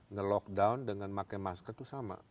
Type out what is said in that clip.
nge lockdown dengan pakai masker itu sama